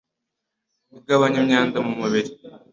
Igabanya imyanda mu mubiri